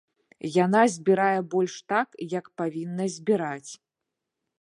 Яна збірае больш так, як павінна збіраць.